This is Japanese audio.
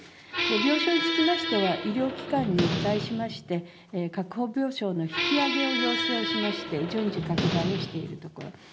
病床につきましては、医療機関に対しまして、確保病床の引き上げを要請をしまして、順次、拡大をしているところです。